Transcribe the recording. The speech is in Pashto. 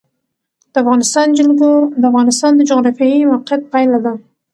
د افغانستان جلکو د افغانستان د جغرافیایي موقیعت پایله ده.